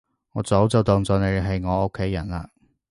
我早就當咗你係我屋企人喇